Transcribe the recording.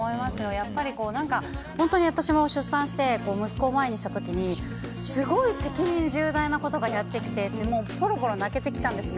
やっぱり本当に私も出産して息子を前にしたときにすごい責任重大なことをやってきてポロポロ泣けてきたんですね。